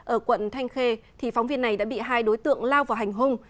ở quận thanh khê phóng viên này đã bị hai đối tượng lao vào hành hung